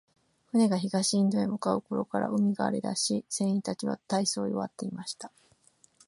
船が東インドに向う頃から、海が荒れだし、船員たちは大そう弱っていました。